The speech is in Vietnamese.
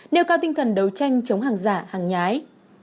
nêu cao tinh thần đấu tranh chống hàng giả hàng nhái